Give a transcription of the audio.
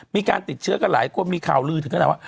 มีการติดเชื้อกันหลายคนมีข่าวลือถึงขนาดว่า